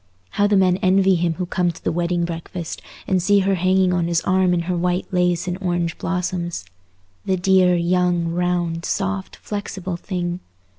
How the men envy him who come to the wedding breakfast, and see her hanging on his arm in her white lace and orange blossoms. The dear, young, round, soft, flexible thing!